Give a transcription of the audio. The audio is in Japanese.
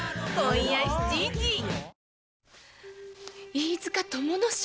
飯塚友之進？